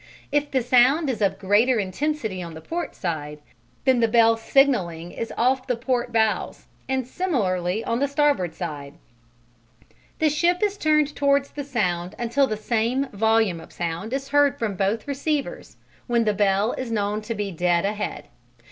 If the sound is of greater intensity on the port side, then the bell signalling is off the port bows; and similarly on the starboard side. The ship is turned towards the sound until the same volume of sound is heard from both receivers, when the bell is known to be dead ahead.